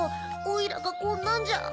おいらがこんなんじゃ